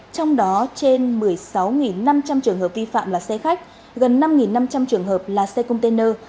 trong đó trên một mươi sáu năm trăm linh trường hợp vi phạm là xe khách gần năm năm trăm linh trường hợp là xe container